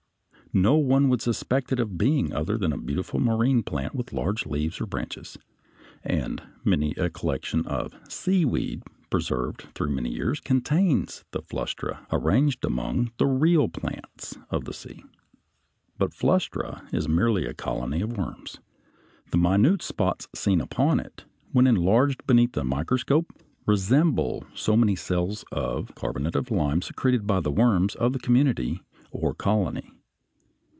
No one would suspect it of being other than a beautiful marine plant with large leaves or branches, and many a collection of "seaweed," preserved through many years, contains the Flustra arranged among the real "plants" of the sea. But Flustra is merely a colony of worms. The minute spots seen upon it when enlarged beneath a microscope resemble so many cells of carbonate of lime secreted by the worms of the community or colony.